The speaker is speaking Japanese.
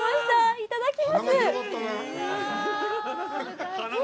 いただきます。